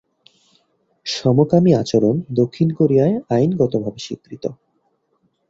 সমকামি আচরণ দক্ষিণ কোরিয়ায় আইনগতভাবে স্বীকৃত।